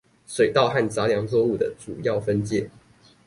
水稻和雜糧作物的主要分界